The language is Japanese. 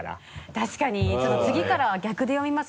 確かにちょっと次からは逆で読みます